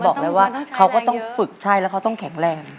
บอกเลยว่าเขาก็ต้องฝึกใช่แล้วเขาต้องแข็งแรง